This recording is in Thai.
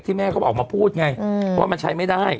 ที่แม่เขาออกมาพูดไงว่ามันใช้ไม่ได้